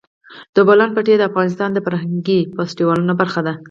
د بولان پټي د افغانستان د فرهنګي فستیوالونو برخه ده.